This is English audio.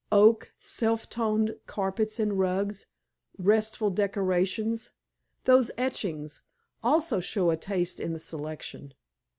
"Oak, self toned carpets and rugs, restful decorations. Those etchings, also, show taste in the selection.